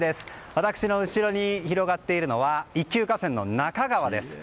私の後ろに広がっているのは一級河川・那珂川です。